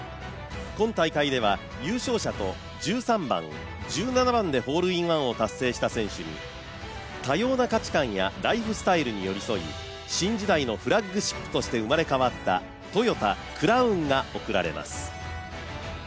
今大会では優勝者と１３番、１７番でホールインワンを達成した選手に多様な価値観やライフスタイルに寄り添い新時代のフラッグシップとして生まれ変わったトヨタ・クラウンが贈られます。